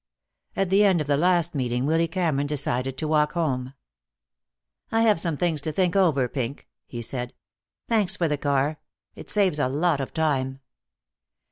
At the end of the last meeting Willy Cameron decided to walk home. "I have some things to think over. Pink," he said. "Thanks for the car. It saves a lot of time."